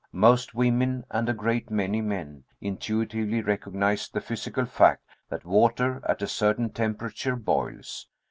Most women, and a great many men, intuitively recognize the physical fact that water, at a certain temperature, boils.